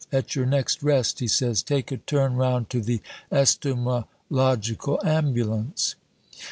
At your next rest,' he says, 'take a turn round to the estomalogical ambulance.'"